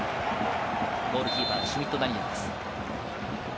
ゴールキーパー、シュミット・ダニエル。